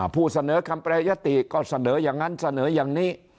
ผู้เสนอคำแปรยติก็เสนออย่างนั้นเสนออย่างนี้